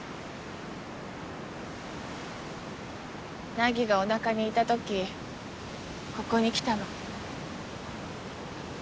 凪がお腹にいた時ここに来たの。